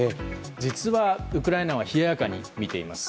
実は、ウクライナは冷ややかに見ています。